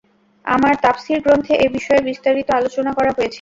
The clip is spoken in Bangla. আমার তাফসীর গ্রন্থে এ বিষয়ে বিস্তারিত আলোচনা করা হয়েছে।